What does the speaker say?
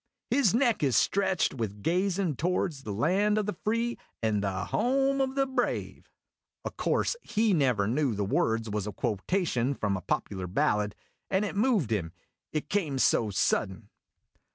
" His neck is stretched with gazin' to wards the land o' the free and the home o' the brave !' O' course he never knew the words was a quotation from a popular ballad, and it moved him it came so sudden.